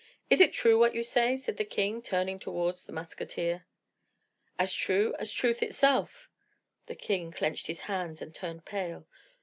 "Is it true what you say?" said the king, turning towards the musketeer. "As true as truth itself." The king clenched his hands, and turned pale.